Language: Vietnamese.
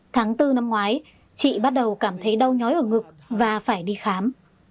tháng bốn năm ngoái chị bắt đầu cảm thấy đau nhói ở ngực và phải đi khám